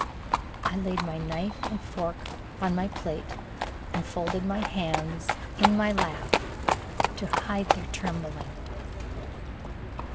I laid my knife and fork on my plate and folded my hands in my lap to hide their trembling.